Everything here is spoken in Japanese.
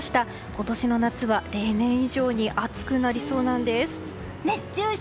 今年の夏は例年以上に暑くなりそうなんです。